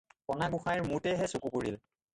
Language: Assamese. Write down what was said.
কণা গোসাঁইৰ মোতেহে চকু পৰিল।